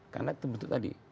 karena itu bentuk tadi